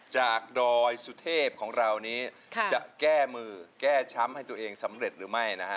ดอยสุเทพของเรานี้จะแก้มือแก้ช้ำให้ตัวเองสำเร็จหรือไม่นะฮะ